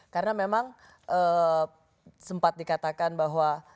karena memang sempat dikatakan bahwa